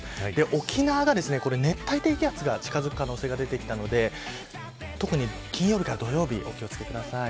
沖縄がこれ、熱帯低気圧が近づく可能性が出てきたので特に金曜日から土曜日お気を付けください。